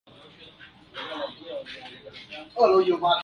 Flowering has been observed in October.